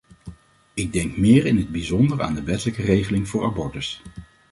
Ik denk meer in het bijzonder aan de wettelijke regeling voor abortus.